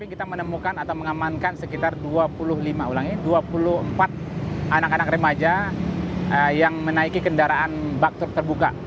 kita menemukan atau mengamankan sekitar dua puluh lima ulang ini dua puluh empat anak anak remaja yang menaiki kendaraan baktur terbuka